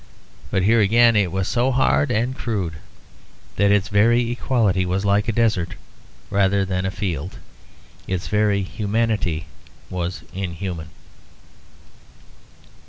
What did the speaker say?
But here again it was so hard and crude that its very equality was like a desert rather than a field. Its very humanity was inhuman.